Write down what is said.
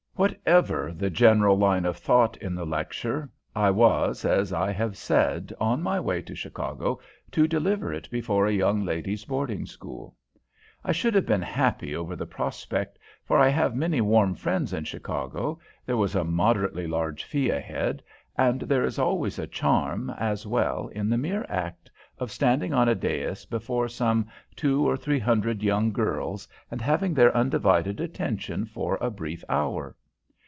Whatever the general line of thought in the lecture, I was, as I have said, on my way to Chicago to deliver it before a young ladies' boarding school. I should have been happy over the prospect, for I have many warm friends in Chicago, there was a moderately large fee ahead, and there is always a charm, as well, in the mere act of standing on a dais before some two or three hundred young girls and having their undivided attention for a brief hour.